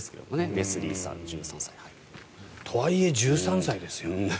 レスリーさん、１３歳。とはいえ１３歳ですよ。